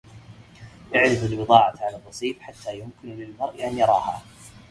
أعرض البضاعة على الرصيف، حتى يمكن للمرء أن يراها!